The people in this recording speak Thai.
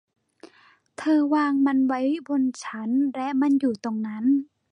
เธอวางมันไว้บนชั้นและมันอยู่ตรงนั้น